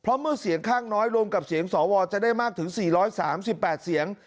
เพราะเมื่อเสียงข้างน้อยรวมกับเสียงสวจะได้มากถึง๔๓๘เสียง